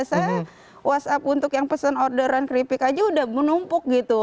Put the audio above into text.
saya whatsapp untuk yang pesen orderan keripik aja udah menumpuk gitu